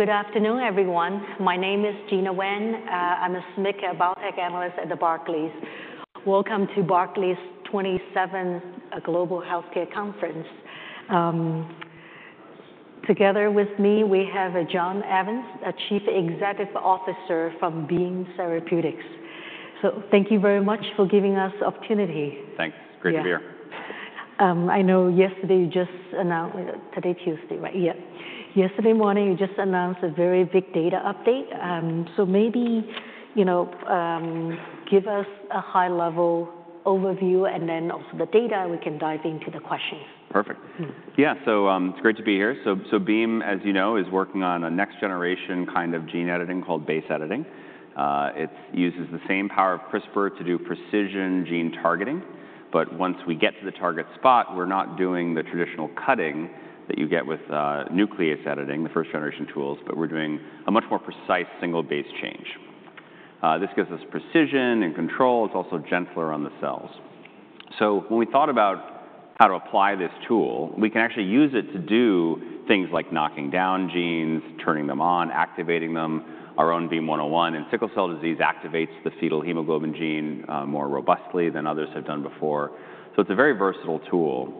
Good afternoon, everyone. My name is Gena Wang. I'm a Senior Biotech Analyst at the Barclays. Welcome to Barclays' 27th Global Healthcare Conference. Together with me, we have John Evans, Chief Executive Officer from Beam Therapeutics. Thank you very much for giving us the opportunity. Thanks. Great to be here. I know yesterday you just announced today's Tuesday, right? Yeah. Yesterday morning, you just announced a very big data update. Maybe you know give us a high-level overview, and then also the data, and we can dive into the questions. Perfect. Yeah, so it's great to be here. So Beam, as you know, is working on a next-generation kind of gene editing called base editing. It uses the same power of CRISPR to do precision gene targeting. But once we get to the target spot, we're not doing the traditional cutting that you get with nuclease editing, the first-generation tools, but we're doing a much more precise single base change. This gives us precision and control. It's also gentler on the cells. So when we thought about how to apply this tool, we can actually use it to do things like knocking down genes, turning them on, activating them. Our own BEAM-101 in sickle cell disease activates the fetal hemoglobin gene more robustly than others have done before. So it's a very versatile tool.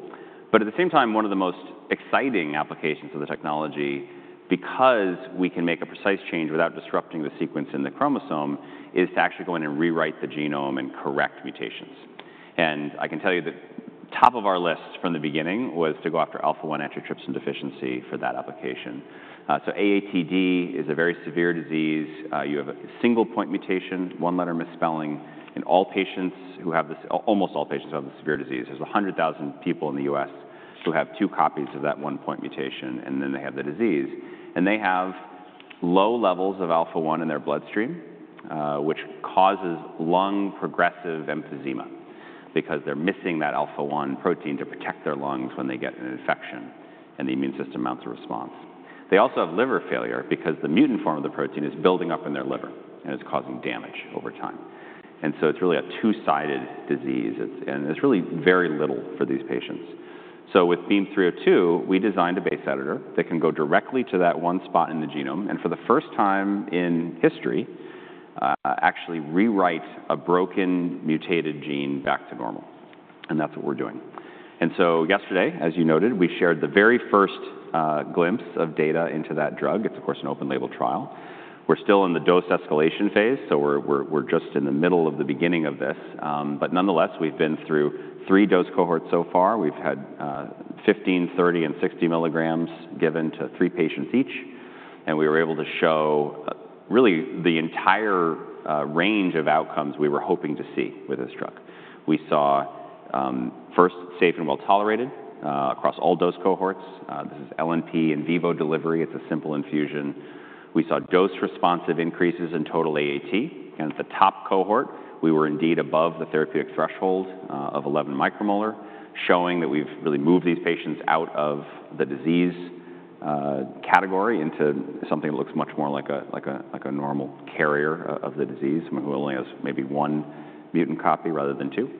At the same time, one of the most exciting applications of the technology, because we can make a precise change without disrupting the sequence in the chromosome, is to actually go in and rewrite the genome and correct mutations. I can tell you that top of our list from the beginning was to go after alpha-1 antitrypsin deficiency for that application. AATD is a very severe disease. You have a single point mutation, one-letter misspelling in all patients who have this, almost all patients who have this severe disease. There are 100,000 people in the U.S. who have two copies of that one-point mutation, and then they have the disease. They have low levels of alpha-1 in their bloodstream, which causes lung progressive emphysema because they are missing that alpha-1 protein to protect their lungs when they get an infection, and the immune system mounts a response. They also have liver failure because the mutant form of the protein is building up in their liver, and it's causing damage over time. It is really a two-sided disease, and there's really very little for these patients. With BEAM-302, we designed a base editor that can go directly to that one spot in the genome and for the first time in history actually rewrite a broken mutated gene back to normal. That's what we're doing. Yesterday, as you noted, we shared the very first glimpse of data into that drug. It's, of course, an open-label trial. We're still in the dose escalation phase, so we're just in the middle of the beginning of this. Nonetheless, we've been through three dose cohorts so far. We've had 15 mg, 30 mg, and 60 mg given to three patients each. We were able to show really the entire range of outcomes we were hoping to see with this drug. We saw first safe and well tolerated across all dose cohorts. This is LNP in vivo delivery. It's a simple infusion. We saw dose-responsive increases in total AAT. At the top cohort, we were indeed above the therapeutic threshold of 11 μM, showing that we've really moved these patients out of the disease category into something that looks much more like a normal carrier of the disease, someone who only has maybe one mutant copy rather than two.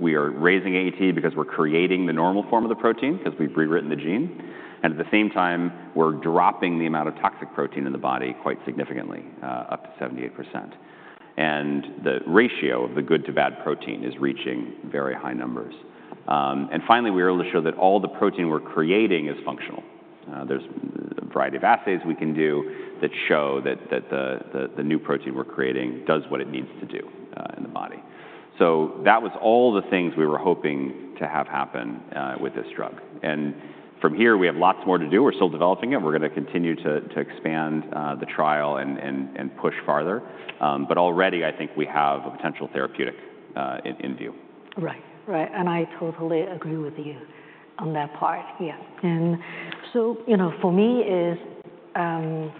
We are raising AAT because we're creating the normal form of the protein because we've rewritten the gene. At the same time, we're dropping the amount of toxic protein in the body quite significantly, up to 78%. The ratio of the good-to-bad protein is reaching very high numbers. Finally, we were able to show that all the protein we're creating is functional. There's a variety of assays we can do that show that the new protein we're creating does what it needs to do in the body. That was all the things we were hoping to have happen with this drug. From here, we have lots more to do. We're still developing it. We're going to continue to expand the trial and push farther. Already, I think we have a potential therapeutic in view. Right, right. I totally agree with you on that part. Yeah. For me,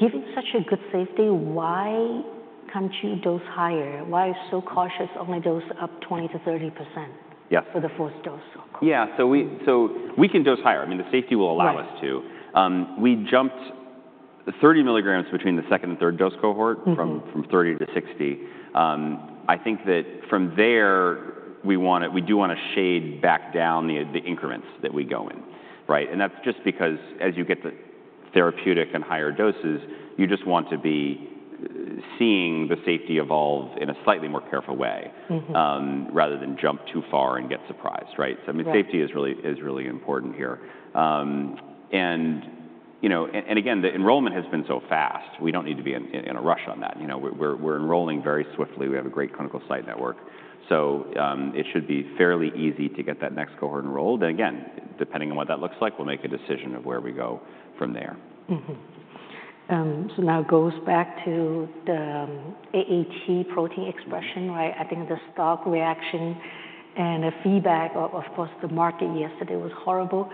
given such a good safety, why can't you dose higher? Why are you so cautious, only dose up 20%-30% for the first dose? Yeah. We can dose higher. I mean, the safety will allow us to. We jumped 30 mg between the second and third dose cohort from 30% to 60%. I think that from there, we do want to shade back down the increments that we go in. That is just because as you get the therapeutic and higher doses, you just want to be seeing the safety evolve in a slightly more careful way rather than jump too far and get surprised. I mean, safety is really important here. Again, the enrollment has been so fast. We do not need to be in a rush on that. We are enrolling very swiftly. We have a great clinical site network. It should be fairly easy to get that next cohort enrolled. Again, depending on what that looks like, we will make a decision of where we go from there. Now it goes back to the AAT protein expression, right? I think the stock reaction and the feedback, of course, the market yesterday was horrible.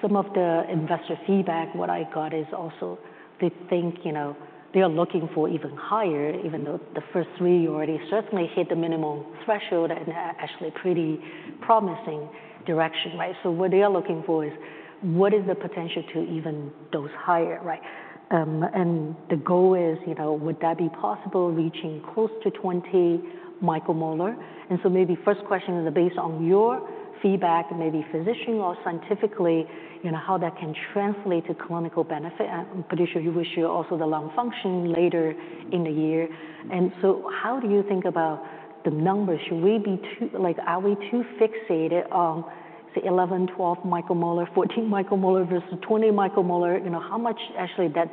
Some of the investor feedback, what I got is also they think they are looking for even higher, even though the first three already certainly hit the minimum threshold and actually pretty promising direction. What they are looking for is, what is the potential to even dose higher? The goal is, would that be possible, reaching close to 20 μM? Maybe first question is based on your feedback, maybe physician or scientifically, how that can translate to clinical benefit. I'm pretty sure you wish you also the lung function later in the year. How do you think about the numbers? Are we too fixated on, say, 11, 12 μM, 14 μM versus 20 μM? How much actually that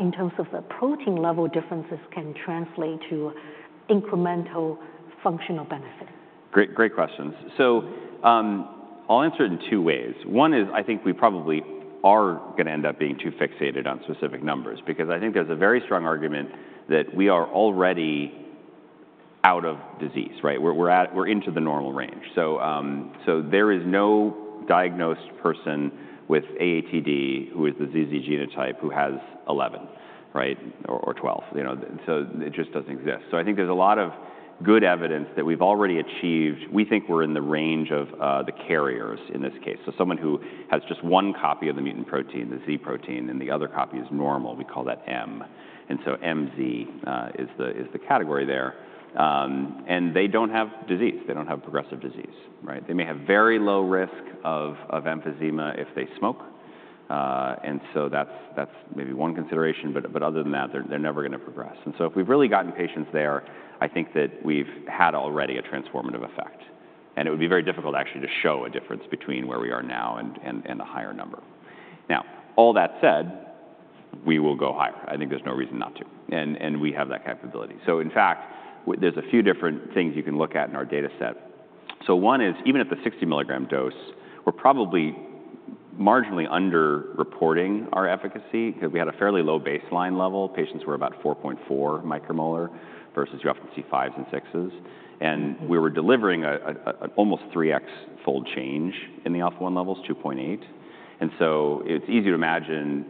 in terms of the protein level differences can translate to incremental functional benefit? Great questions. I'll answer it in two ways. One is I think we probably are going to end up being too fixated on specific numbers because I think there's a very strong argument that we are already out of disease. We're into the normal range. There is no diagnosed person with AATD who is the ZZ genotype who has 11 or 12. It just doesn't exist. I think there's a lot of good evidence that we've already achieved. We think we're in the range of the carriers in this case. Someone who has just one copy of the mutant protein, the Z protein, and the other copy is normal, we call that M. MZ is the category there. They don't have disease. They don't have progressive disease. They may have very low risk of emphysema if they smoke. That is maybe one consideration. Other than that, they are never going to progress. If we have really gotten patients there, I think that we have had already a transformative effect. It would be very difficult actually to show a difference between where we are now and a higher number. All that said, we will go higher. I think there is no reason not to. We have that capability. In fact, there are a few different things you can look at in our data set. One is even at the 60 mg dose, we are probably marginally underreporting our efficacy because we had a fairly low baseline level. Patients were about 4.4 μM versus you often see fives and sixes. We were delivering an almost 3x fold change in the alpha-1 levels, 2.8. It's easy to imagine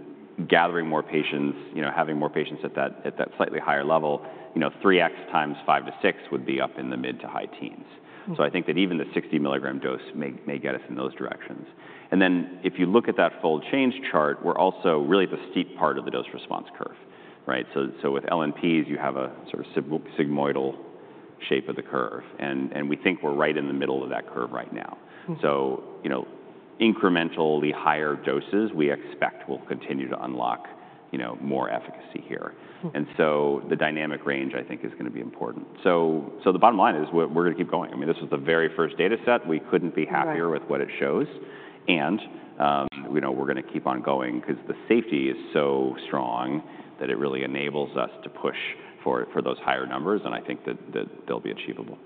gathering more patients, having more patients at that slightly higher level, 3x times 5 to 6 would be up in the mid to high teens. I think that even the 60 mg dose may get us in those directions. If you look at that fold change chart, we're also really at the steep part of the dose response curve. With LNPs, you have a sort of sigmoidal shape of the curve. We think we're right in the middle of that curve right now. Incrementally higher doses, we expect will continue to unlock more efficacy here. The dynamic range, I think, is going to be important. The bottom line is we're going to keep going. I mean, this was the very first data set. We couldn't be happier with what it shows. We're going to keep on going because the safety is so strong that it really enables us to push for those higher numbers. I think that they'll be achievable.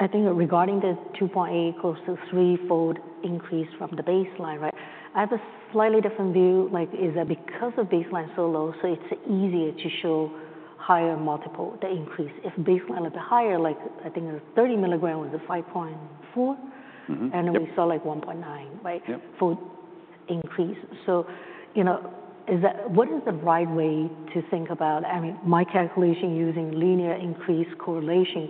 I think regarding the 2.8, close to three-fold increase from the baseline, I have a slightly different view. Is that because of baseline so low, so it's easier to show higher multiple, the increase? If baseline a little bit higher, like I think 30 mg was a 5.4, and we saw like 1.9 increase. What is the right way to think about? I mean, my calculation using linear increase correlation,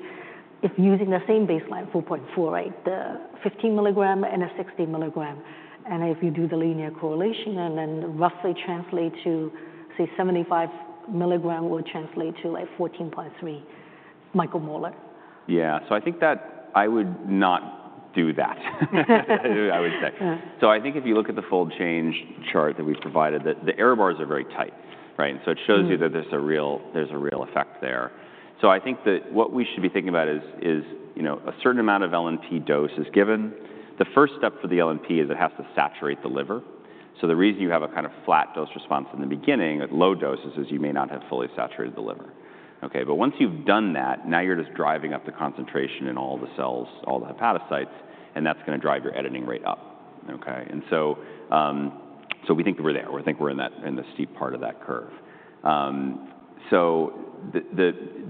if using the same baseline, 4.4, the 15 mg and a 60 mg. If you do the linear correlation and then roughly translate to, say, 75 mg would translate to like 14.3 μM. Yeah. I think that I would not do that, I would say. I think if you look at the fold change chart that we've provided, the error bars are very tight. It shows you that there's a real effect there. I think that what we should be thinking about is a certain amount of LNP dose is given. The first step for the LNP is it has to saturate the liver. The reason you have a kind of flat dose response in the beginning, at low doses, is you may not have fully saturated the liver. Once you've done that, now you're just driving up the concentration in all the cells, all the hepatocytes, and that's going to drive your editing rate up. We think we're there. We think we're in the steep part of that curve. The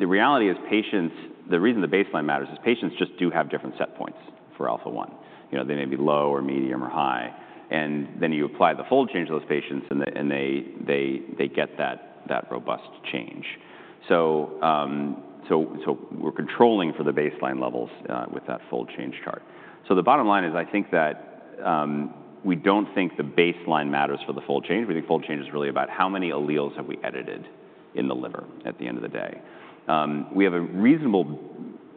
reality is patients, the reason the baseline matters is patients just do have different set points for alpha-1. They may be low or medium or high. You apply the fold change to those patients, and they get that robust change. We are controlling for the baseline levels with that fold change chart. The bottom line is I think that we do not think the baseline matters for the fold change. We think fold change is really about how many alleles have we edited in the liver at the end of the day. We have a reasonable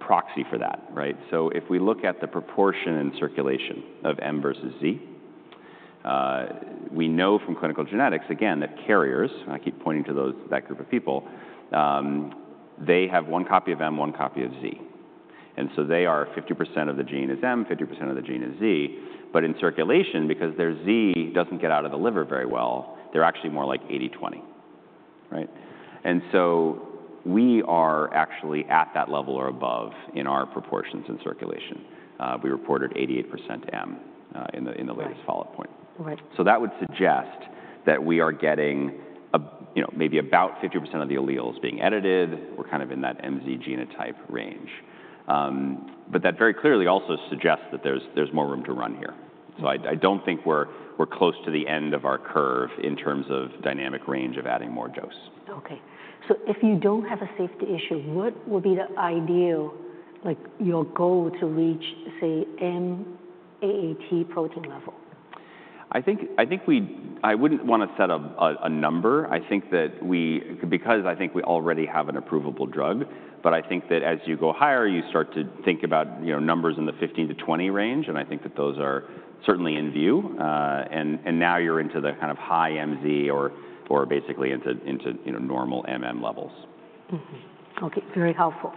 proxy for that. If we look at the proportion in circulation of M versus Z, we know from clinical genetics, again, that carriers, I keep pointing to that group of people, they have one copy of M, one copy of Z. They are 50% of the gene is M, 50% of the gene is Z. In circulation, because their Z does not get out of the liver very well, they are actually more like 80-20. We are actually at that level or above in our proportions in circulation. We reported 88% M in the latest follow-up point. That would suggest that we are getting maybe about 50% of the alleles being edited. We are kind of in that MZ genotype range. That very clearly also suggests that there is more room to run here. I do not think we are close to the end of our curve in terms of dynamic range of adding more dose. Okay. If you do not have a safety issue, what would be the ideal, your goal to reach, say, M-AAT protein level? I think I wouldn't want to set a number. I think that because I think we already have an approvable drug, but I think that as you go higher, you start to think about numbers in the 15-20 range. I think that those are certainly in view. Now you're into the kind of high MZ or basically into normal levels. Okay. Very helpful.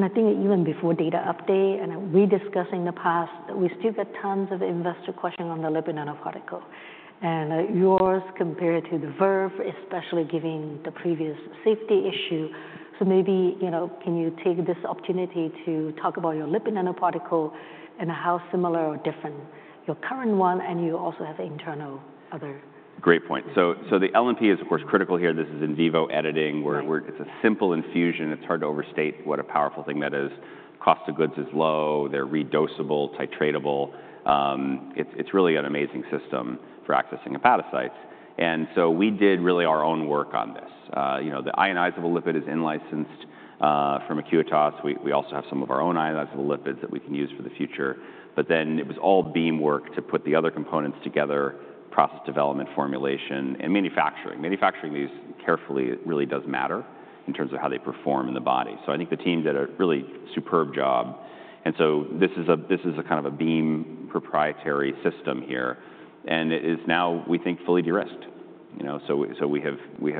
I think even before data update and we discussed in the past, we still get tons of investor questions on the lipid nanoparticle. Yours compared to the Verve, especially given the previous safety issue. Maybe can you take this opportunity to talk about your lipid nanoparticle and how similar or different your current one is and you also have internal other. Great point. The LNP is, of course, critical here. This is in vivo editing. It's a simple infusion. It's hard to overstate what a powerful thing that is. Cost of goods is low. They're redosable, titratable. It's really an amazing system for accessing hepatocytes. We did really our own work on this. The ionizable lipid is in-licensed from Acuitas. We also have some of our own ionizable lipids that we can use for the future. It was all Beam work to put the other components together, process development, formulation, and manufacturing. Manufacturing these carefully really does matter in terms of how they perform in the body. I think the team did a really superb job. This is a kind of a Beam proprietary system here. It is now, we think, fully de-risked. We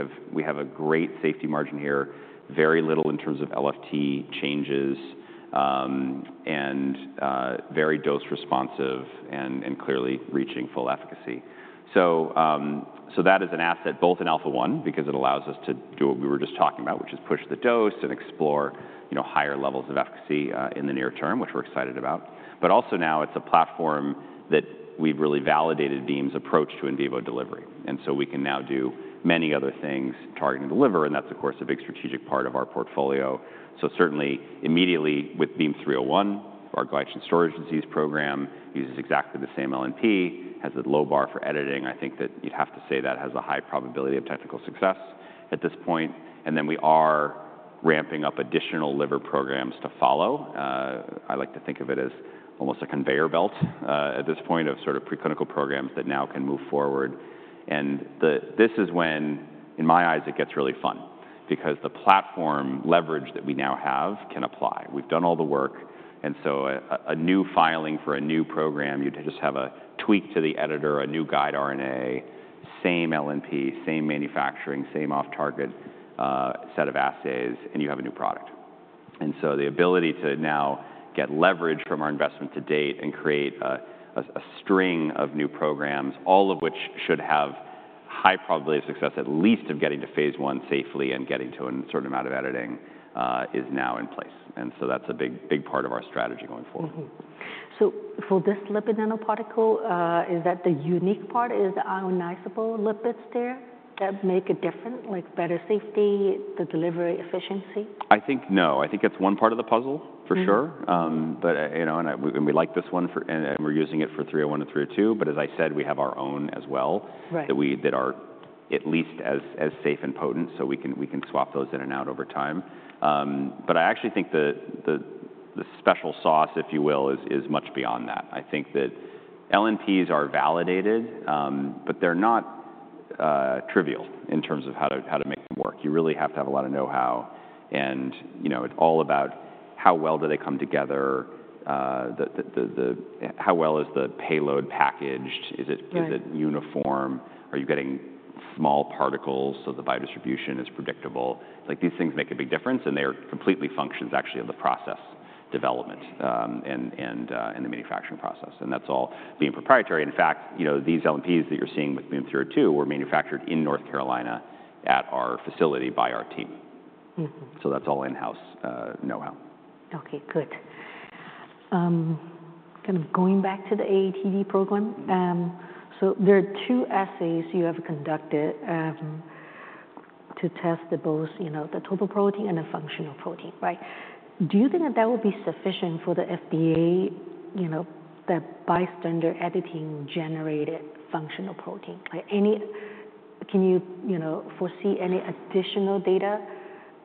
have a great safety margin here, very little in terms of LFT changes, and very dose responsive and clearly reaching full efficacy. That is an asset, both in alpha-1, because it allows us to do what we were just talking about, which is push the dose and explore higher levels of efficacy in the near term, which we're excited about. Also, now it's a platform that we've really validated Beam's approach to in vivo delivery. We can now do many other things targeting the liver. That's, of course, a big strategic part of our portfolio. Certainly, immediately with BEAM-301, our glycogen storage disease program uses exactly the same LNP, has a low bar for editing. I think that you'd have to say that has a high probability of technical success at this point. We are ramping up additional liver programs to follow. I like to think of it as almost a conveyor belt at this point of sort of preclinical programs that now can move forward. This is when, in my eyes, it gets really fun because the platform leverage that we now have can apply. We've done all the work. A new filing for a new program, you just have a tweak to the editor, a new guide RNA, same LNP, same manufacturing, same off-target set of assays, and you have a new product. The ability to now get leverage from our investment to date and create a string of new programs, all of which should have high probability of success, at least of getting to phase I safely and getting to a certain amount of editing is now in place. That's a big part of our strategy going forward. For this lipid nanoparticle, is that the unique part? Is the ionizable lipids there that make a difference, like better safety, the delivery efficiency? I think no. I think that's one part of the puzzle, for sure. And we like this one, and we're using it for 301 and 302. But as I said, we have our own as well that are at least as safe and potent. We can swap those in and out over time. I actually think the special sauce, if you will, is much beyond that. I think that LNPs are validated, but they're not trivial in terms of how to make them work. You really have to have a lot of know-how. It's all about how well do they come together, how well is the payload packaged, is it uniform, are you getting small particles so the biodistribution is predictable. These things make a big difference, and they are completely functions, actually, of the process development and the manufacturing process. That's all being proprietary. In fact, these LNPs that you're seeing with BEAM-302 were manufactured in North Carolina at our facility by our team. That is all in-house know-how. Okay. Good. Kind of going back to the AATD program, there are two assays you have conducted to test both the total protein and the functional protein. Do you think that that will be sufficient for the FDA, the bystander editing generated functional protein? Can you foresee any additional data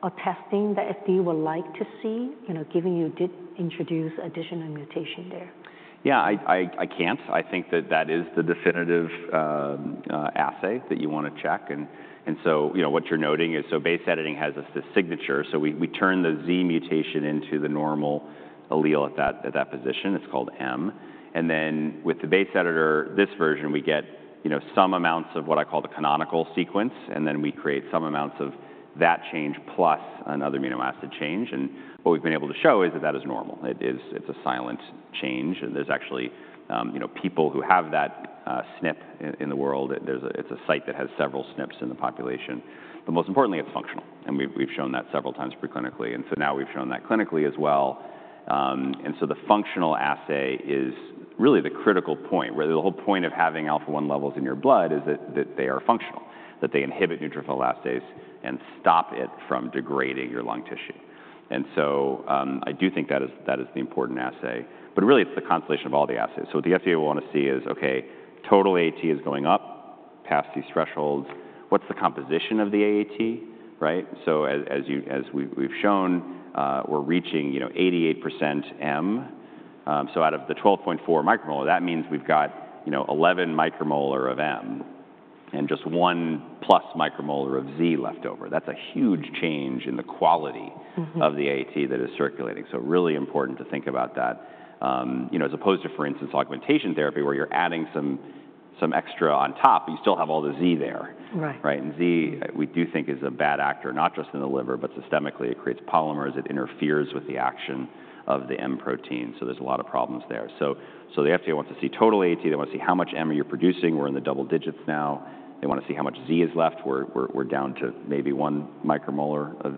or testing that FDA would like to see, given you did introduce additional mutation there? Yeah, I can't. I think that that is the definitive assay that you want to check. What you're noting is base editing has this signature. We turn the Z mutation into the normal allele at that position. It's called M. With the base editor, this version, we get some amounts of what I call the canonical sequence. We create some amounts of that change plus another amino acid change. What we've been able to show is that that is normal. It's a silent change. There are actually people who have that SNP in the world. It's a site that has several SNPs in the population. Most importantly, it's functional. We've shown that several times preclinically. Now we've shown that clinically as well. The functional assay is really the critical point, where the whole point of having alpha-1 levels in your blood is that they are functional, that they inhibit neutrophil elastase and stop it from degrading your lung tissue. I do think that is the important assay. Really, it's the constellation of all the assays. What the FDA will want to see is, okay, total AAT is going up past these thresholds. What's the composition of the AAT? As we've shown, we're reaching 88% M. Out of the 12.4 μM, that means we've got 11 μM of M and just 1+ μM of Z left over. That's a huge change in the quality of the AAT that is circulating. Really important to think about that. As opposed to, for instance, augmentation therapy, where you're adding some extra on top, you still have all the Z there. And Z, we do think, is a bad actor, not just in the liver, but systemically. It creates polymers. It interferes with the action of the M protein. So there's a lot of problems there. The FDA wants to see total AAT. They want to see how much M are you producing. We're in the double digits now. They want to see how much Z is left. We're down to maybe 1 μM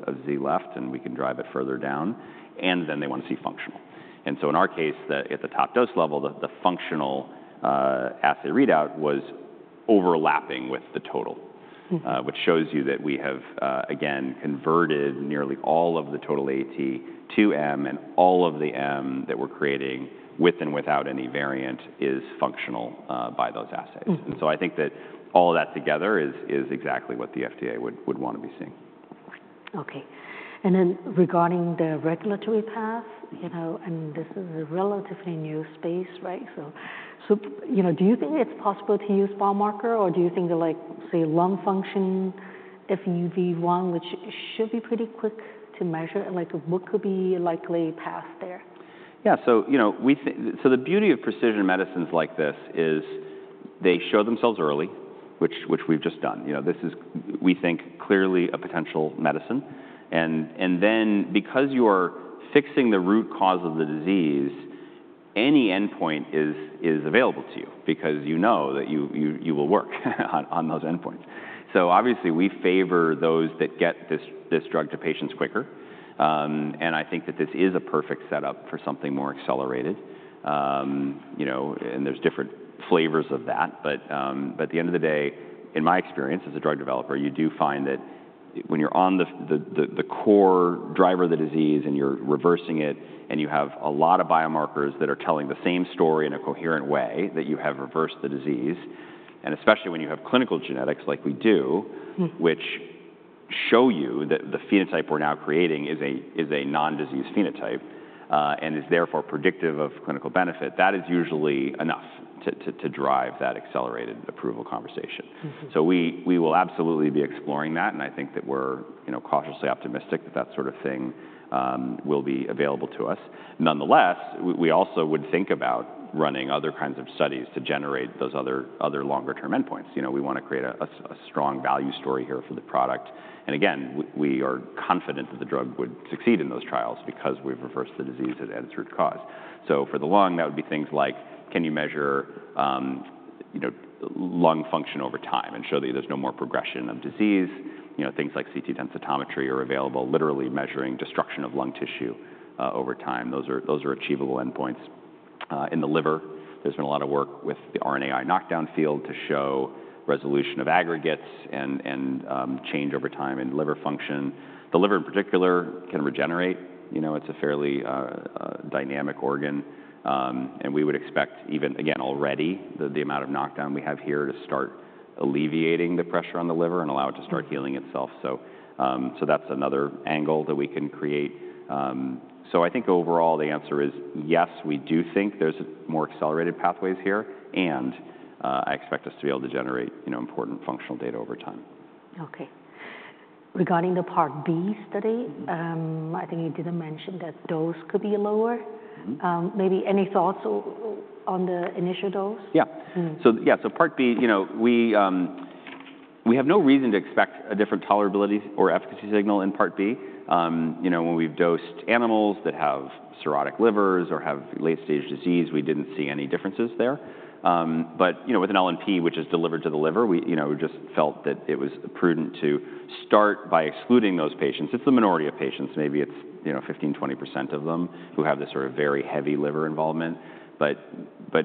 of Z left, and we can drive it further down. They want to see functional. In our case, at the top dose level, the functional assay readout was overlapping with the total, which shows you that we have, again, converted nearly all of the total AAT to M. All of the M that we're creating with and without any variant is functional by those assays. I think that all of that together is exactly what the FDA would want to be seeing. Okay. Regarding the regulatory path, I mean, this is a relatively new space. Do you think it's possible to use biomarker? Or do you think, say, lung function FEV1, which should be pretty quick to measure, what could be likely path there? Yeah. The beauty of precision medicines like this is they show themselves early, which we've just done. This is, we think, clearly a potential medicine. Because you are fixing the root cause of the disease, any endpoint is available to you because you know that you will work on those endpoints. Obviously, we favor those that get this drug to patients quicker. I think that this is a perfect setup for something more accelerated. There are different flavors of that. At the end of the day, in my experience as a drug developer, you do find that when you're on the core driver of the disease and you're reversing it and you have a lot of biomarkers that are telling the same story in a coherent way that you have reversed the disease, especially when you have clinical genetics like we do, which show you that the phenotype we're now creating is a non-disease phenotype and is therefore predictive of clinical benefit, that is usually enough to drive that accelerated approval conversation. We will absolutely be exploring that. I think that we're cautiously optimistic that that sort of thing will be available to us. Nonetheless, we also would think about running other kinds of studies to generate those other longer-term endpoints. We want to create a strong value story here for the product. We are confident that the drug would succeed in those trials because we've reversed the disease at its root cause. For the lung, that would be things like, can you measure lung function over time and show that there's no more progression of disease? Things like CT densitometry are available, literally measuring destruction of lung tissue over time. Those are achievable endpoints. In the liver, there's been a lot of work with the RNAi knockdown field to show resolution of aggregates and change over time in liver function. The liver, in particular, can regenerate. It's a fairly dynamic organ. We would expect, again, already, the amount of knockdown we have here to start alleviating the pressure on the liver and allow it to start healing itself. That's another angle that we can create. I think overall, the answer is yes, we do think there's more accelerated pathways here. I expect us to be able to generate important functional data over time. Okay. Regarding the part B study, I think you didn't mention that dose could be lower. Maybe any thoughts on the initial dose? Yeah, so part B, we have no reason to expect a different tolerability or efficacy signal in part B. When we've dosed animals that have cirrhotic livers or have late-stage disease, we didn't see any differences there. With an LNP, which is delivered to the liver, we just felt that it was prudent to start by excluding those patients. It's the minority of patients. Maybe it's 15%-20% of them who have this sort of very heavy liver involvement.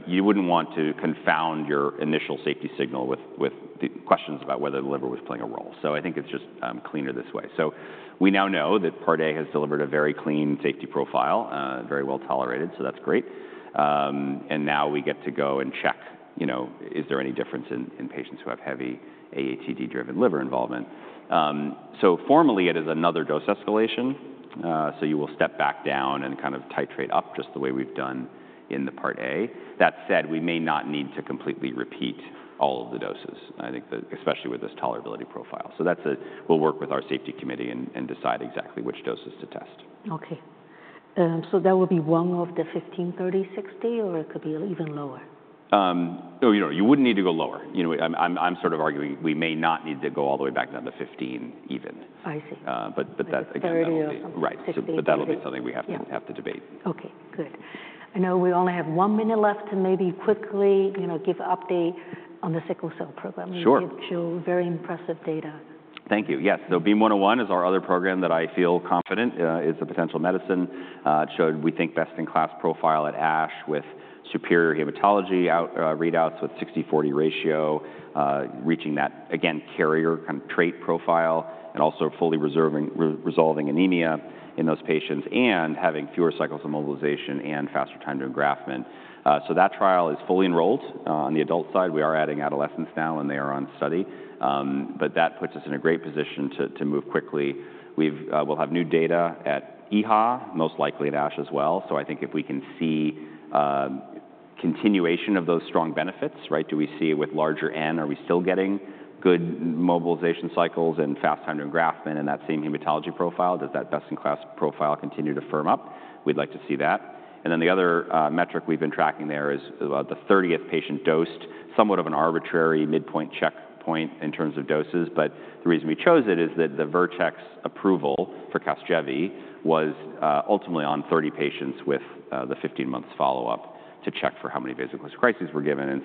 You wouldn't want to confound your initial safety signal with questions about whether the liver was playing a role. I think it's just cleaner this way. We now know that part A has delivered a very clean safety profile, very well tolerated. That's great. Now we get to go and check, is there any difference in patients who have heavy AATD-driven liver involvement? Formally, it is another dose escalation. You will step back down and kind of titrate up just the way we've done in the part A. That said, we may not need to completely repeat all of the doses, I think, especially with this tolerability profile. We will work with our safety committee and decide exactly which doses to test. Okay. That would be one of the 15, 30, 60, or it could be even lower? Oh, you wouldn't need to go lower. I'm sort of arguing we may not need to go all the way back down to 15 even. I see. That, again, that would be 60. That'll be something we have to debate. Okay. Good. I know we only have one minute left to maybe quickly give an update on the sickle cell program. You show very impressive data. Thank you. Yes. BEAM-101 is our other program that I feel confident is a potential medicine. It showed, we think, best-in-class profile at ASH with superior hematology readouts with 60/40 ratio, reaching that, again, carrier kind of trait profile, and also fully resolving anemia in those patients and having fewer cycles of mobilization and faster time to engraftment. That trial is fully enrolled on the adult side. We are adding adolescents now, and they are on study. That puts us in a great position to move quickly. We'll have new data at EHA, most likely at ASH as well. I think if we can see continuation of those strong benefits, do we see with larger N, are we still getting good mobilization cycles and fast time to engraftment in that same hematology profile? Does that best-in-class profile continue to firm up? We'd like to see that. The other metric we've been tracking there is the 30th patient dosed, somewhat of an arbitrary midpoint checkpoint in terms of doses. The reason we chose it is that the Vertex approval for Casgevy was ultimately on 30 patients with the 15-month follow-up to check for how many vaso-occlusive crises were given.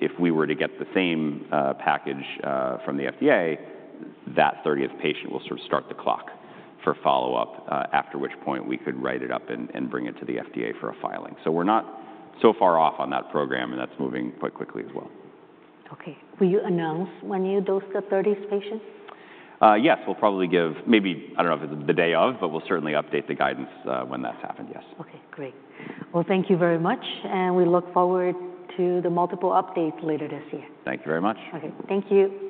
If we were to get the same package from the FDA, that 30th patient will sort of start the clock for follow-up, after which point we could write it up and bring it to the FDA for a filing. We're not so far off on that program, and that's moving quite quickly as well. Okay. Will you announce when you dose the 30th patient? Yes. We'll probably give maybe, I don't know if it's the day of, but we'll certainly update the guidance when that's happened, yes. Great. Thank you very much. We look forward to the multiple updates later this year. Thank you very much. Okay. Thank you.